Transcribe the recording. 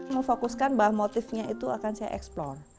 memfokuskan bahan motifnya itu akan saya eksplor